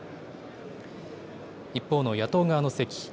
一報の野党側の席。